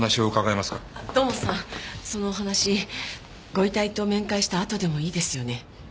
そのお話ご遺体と面会したあとでもいいですよね？